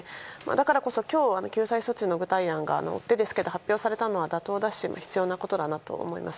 だからこそ今日、救済措置の具体案が発表されたのは追ってですけど、妥当だし必要なことだと思います。